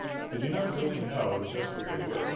I do not really know just what they were.